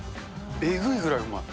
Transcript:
えぐいぐらいうまい。